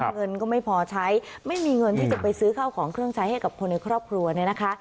เงินก็ไม่พอใช้ไม่มีเงินที่จะไปซื้อข้าวของเครื่องใช้ให้กับคนในครอบครัวเนี่ยนะคะ